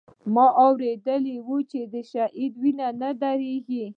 ما اورېدلي و چې د شهيد وينه نه درېږي.